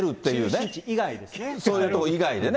そういうとこ以外でね。